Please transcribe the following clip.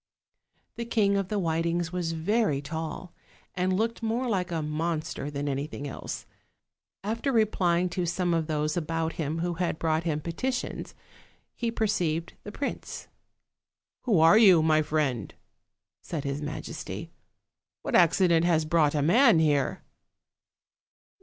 The King of the Whitings was very tall, and looked more like a monster than anything else. After replying to some of those about him who had brought him peti tions, he perceived the prince. "Who are you, my friend?" said his majesty. "What accident has brought a man here?"